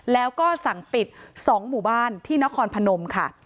แล้วก็สั่งปิด๒หมู่บ้านที่นครพนมค่ะ